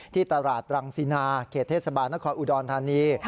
ที่ตลาดรังสินาเขตเทศบาลนครอุดรธานี